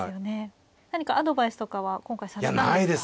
何かアドバイスとかは今回されたんですか。